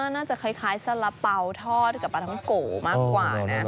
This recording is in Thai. น่าจะคล้ายสาระเป๋าทอดกับปลาท้องโกมากกว่านะ